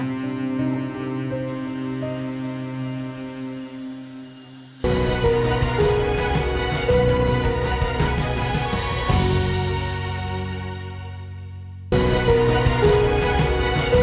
masuk disitu ya